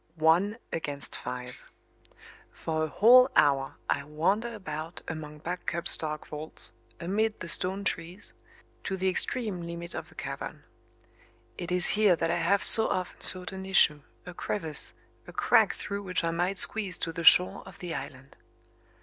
ONE AGAINST FIVE. For a whole hour I wander about among Back Cup's dark vaults, amid the stone trees, to the extreme limit of the cavern. It is here that I have so often sought an issue, a crevice, a crack through which I might squeeze to the shore of the island.